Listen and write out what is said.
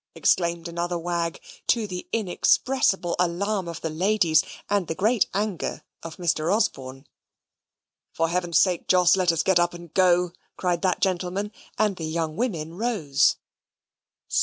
exclaimed another wag, to the inexpressible alarm of the ladies, and the great anger of Mr. Osborne. "For Heaven's sake, Jos, let us get up and go," cried that gentleman, and the young women rose.